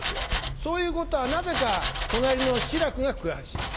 そういうことはなぜか隣の志らくが詳しい。